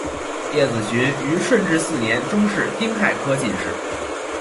叶子循于顺治四年中式丁亥科进士。